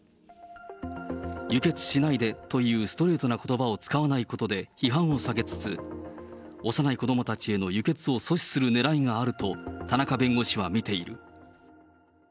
輸血しないでというストレートなことばを使わないことで、批判を避けつつ、幼い子どもたちへの輸血を阻止するねらいがあると、田中弁護士は見ている。